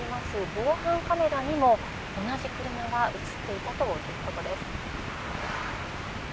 防犯カメラにも、同じ車が映っていたということです。